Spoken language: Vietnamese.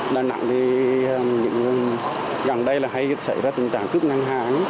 đà nẵng thì gần đây hay xảy ra tình trạng cướp ngân hàng